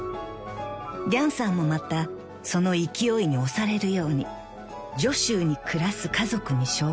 ［リャンさんもまたその勢いに押されるように徐州に暮らす家族に紹介］